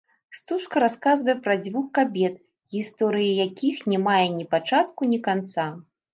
Стужка расказвае пра дзвюх кабет, гісторыя якіх не мае ні пачатку, ні канца.